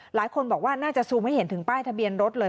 หลายคนบอกว่าน่าจะซูมให้เห็นถึงป้ายทะเบียนรถเลย